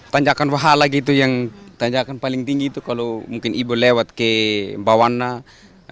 tanjakan wahala gitu yang tanjakan paling tinggi itu kalau mungkin ibu lewat ke mbakwana